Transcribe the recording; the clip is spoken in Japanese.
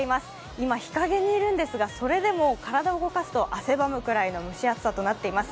今、日陰にいるんですが、それでも体を動かすと汗ばむくらいの蒸し暑さとなっています。